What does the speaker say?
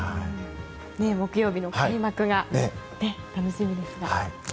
木曜日の開幕が楽しみですね。